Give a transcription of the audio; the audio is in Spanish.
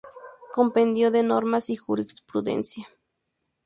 Compendio de normas y jurisprudencia.